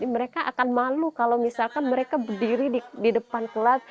mereka akan malu kalau misalkan mereka berdiri di depan kelas